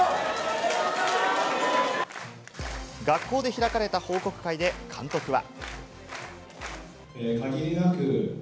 学校で開かれた報告会で監督は。